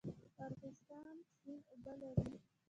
ارغستان سیند اوبه لري؟